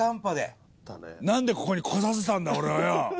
何でここに来させたんだ俺をよ。